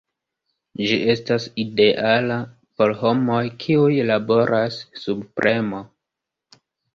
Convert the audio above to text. Ĝi estas ideala por homoj kiuj laboras sub premo.